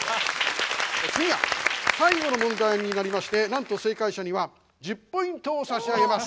次が最後の問題になりましてなんと正解者には１０ポイントを差し上げます。